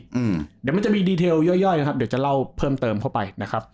เดี๋ยวมันจะมีดีเทลย่อยเดี๋ยวจะเล่าเพิ่มเติมเข้าไป